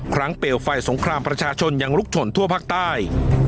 ครั้งเปลวไฟสงครามประชาชนยังลุกชนทั่วภาคใต้